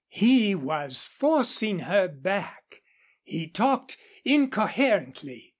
He was forcing her back. He talked incoherently.